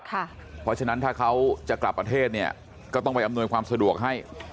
เพราะฉะนั้นถ้าเขาจะกลับประเทศเนี่ยก็ต้องไปอำนวยความสะดวกให้